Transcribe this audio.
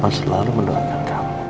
papa selalu mendoakan kamu